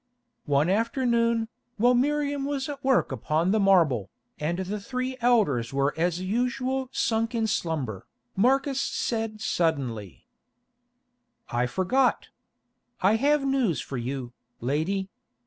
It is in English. One afternoon, while Miriam was at work upon the marble, and the three elders were as usual sunk in slumber, Marcus said suddenly: "I forgot. I have news for you, lady.